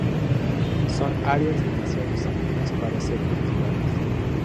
Son áreas demasiado salinas para ser cultivadas.